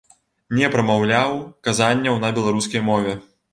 Не прамаўляў казанняў на беларускай мове.